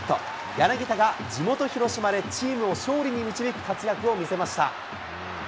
柳田が地元、広島でチームを勝利に導く活躍を見せました。